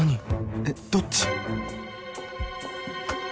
えっどっち？